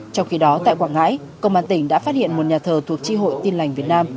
trong khi đó tại quảng ngãi công an tỉnh đã phát hiện một nhà thờ thuộc tri hội tin lành việt nam